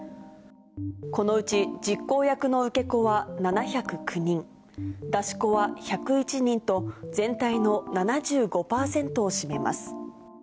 このうち実行役の受け子は７０９人、出し子は１０１人と、全体の７５％を占めます。